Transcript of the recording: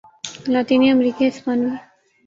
لاطینی امریکی ہسپانوی